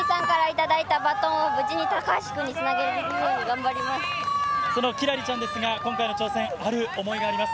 藤井さんからいただいたバトンを無事に高橋君につなげることその輝星ちゃんですが、今回の挑戦、ある思いがあります。